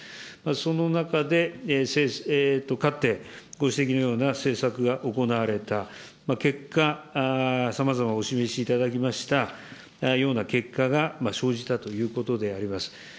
その中でかつてご指摘のような政策が行われた、結果、さまざまお示しいただきましたような結果が生じたということであります。